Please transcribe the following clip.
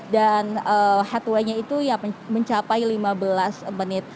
dan headway nya itu mencapai lima belas menit